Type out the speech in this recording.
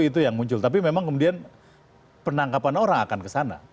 itu yang muncul tapi memang kemudian penangkapan orang akan kesana